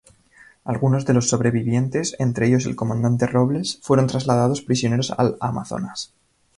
Algunos de los sobrevivientes, entre ellos el comandante Robles, fueron trasladados prisioneros al "Amazonas".